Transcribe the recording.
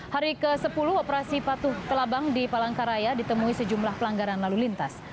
hari ke sepuluh operasi patuh telabang di palangkaraya ditemui sejumlah pelanggaran lalu lintas